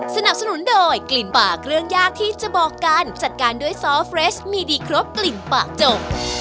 สนับสนุนโดยกลิ่นปากเครื่องยากที่จะบอกกันจัดการด้วยซอสเรสมีดีครบกลิ่นปากจก